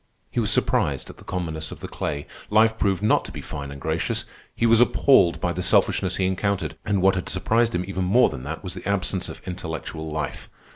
He was surprised at the commonness of the clay. Life proved not to be fine and gracious. He was appalled by the selfishness he encountered, and what had surprised him even more than that was the absence of intellectual life.